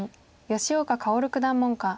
吉岡薫九段門下。